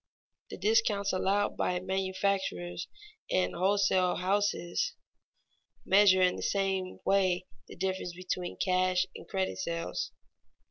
The discounts allowed by manufacturers and wholesale houses measure in the same way the difference between cash and credit sales.